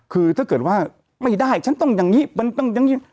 คือถ้าเกิดว่าไม่ได้ฉันต้องอย่างนี้มันต้องอย่างนี้